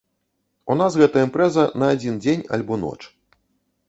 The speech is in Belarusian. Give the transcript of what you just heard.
У нас гэта імпрэза на адзін дзень альбо ноч.